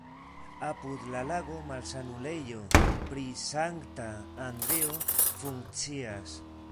Apud la lago malsanulejo pri Sankta Andreo funkcias.